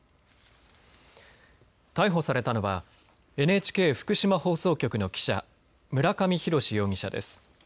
逮捕されたのはＮＨＫ福島放送局の記者村上浩容疑者です。